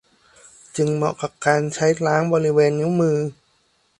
จึงเหมาะกับการใช้ล้างบริเวณนิ้วมือ